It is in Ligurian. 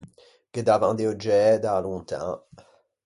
Ghe davan de euggiæ da-a lontan.